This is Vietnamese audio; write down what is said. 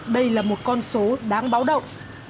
đây là một con số đáng báo động